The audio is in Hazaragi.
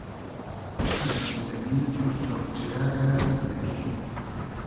زیندئگی پور جۉب جیرئگۂ زیندئگی